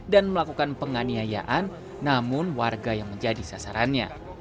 dan melakukan penganiayaan namun warga yang menjadi sasarannya